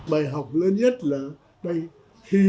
bài học lớn nhất là đây